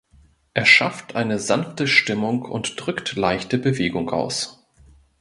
Er schafft eine sanfte Stimmung und drückt leichte Bewegung aus.